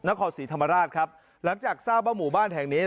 นครศรีธรรมราชครับหลังจากทราบว่าหมู่บ้านแห่งนี้